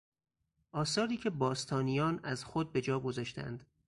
آثاری که باستانیان از خود به جا گذاشتهاند